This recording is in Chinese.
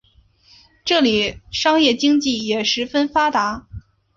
这里商业经济也十分发达。